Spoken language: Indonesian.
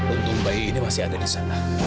untuk bayi ini masih ada di sana